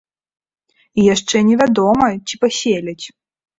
І яшчэ не вядома, ці паселяць.